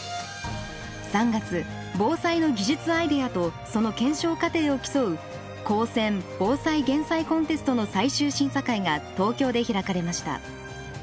３月防災の技術アイデアとその検証過程を競う「高専防災減災コンテスト」の最終審査会が東京で開かれました。